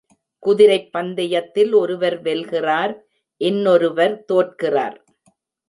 குதிரைப் பந்தயத்தில் ஒருவர் வெல்கிறார் இன்னொருவர் தோற்கிறார்.